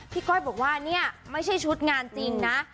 ก้อยบอกว่าเนี่ยไม่ใช่ชุดงานจริงนะ